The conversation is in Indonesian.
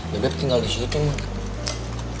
bebek tinggal di situ